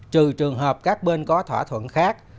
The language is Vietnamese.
trừ trường hợp các bên có thỏa thuận khác